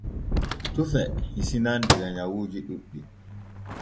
Tufe hisinan diga nyawuuji ɗuuɗɗi.